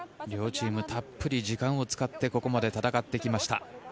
両チームたっぷり時間を使ってここまで戦ってきました。